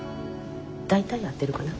大体合ってるかな。